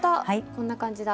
こんな感じだ！